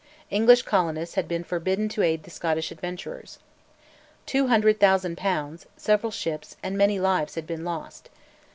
English colonists had been forbidden to aid the Scottish adventurers. Two hundred thousand pounds, several ships, and many lives had been lost.